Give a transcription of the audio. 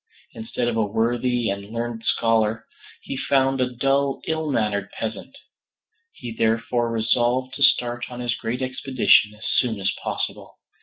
Instead of a worthy and learned scholar, he found a dull ill mannered peasant. He therefore resolved to start on his great expedition as soon as possible.